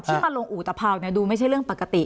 ที่มาลงอุตภาวดูไม่ใช่เรื่องปกติ